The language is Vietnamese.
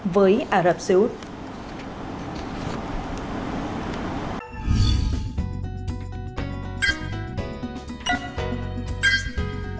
với ả rập xê út